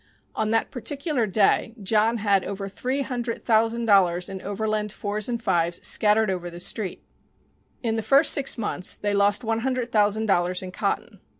On that particular day John had over three hundred thousand dollars in Overland 4s and 5s scattered over the Street. In the first six months they lost one hundred thousand dollars in cotton.